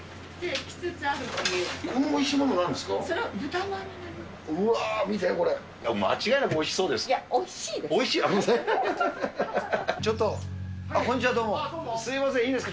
このおいしいものなんですか？